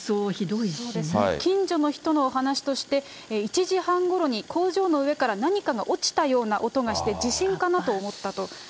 近所の人のお話として、１時半ごろに工場の上から何かが落ちたような音がして、地震かなと思ったと。